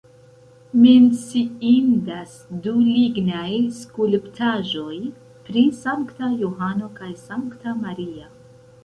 Menciindas du lignaj skulptaĵoj pri Sankta Johano kaj Sankta Maria.